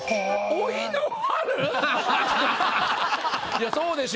いやそうでしょ。